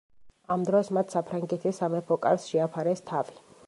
ამ დროს მათ საფრანგეთის სამეფო კარს შეაფარეს თავი.